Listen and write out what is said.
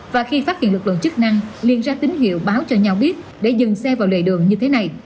và khi phát hiện lực lượng chức năng liên ra tín hiệu báo cho nhau biết để dừng xe vào lề đường như thế này